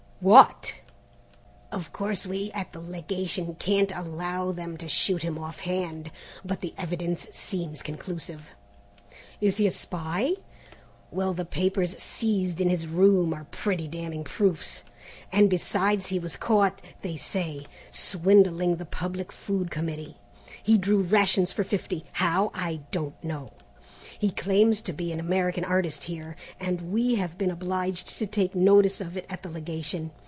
"What!" "Of course we at the Legation can't allow them to shoot him off hand, but the evidence seems conclusive." "Is he a spy?" "Well, the papers seized in his rooms are pretty damning proofs, and besides he was caught, they say, swindling the Public Food Committee. He drew rations for fifty, how, I don't know. He claims to be an American artist here, and we have been obliged to take notice of it at the Legation.